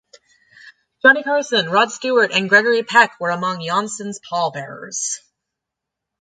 Johnny Carson, Rod Stewart and Gregory Peck were among Janssen's pallbearers.